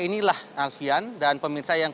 inilah alfian dan pemirsa yang